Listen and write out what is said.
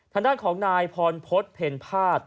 ท่านด้านของนายพรพฤทธิ์เพ็ญพาส